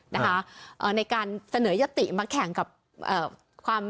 นะคะอ่าในการเสนอยติมาแข่งกับอ่า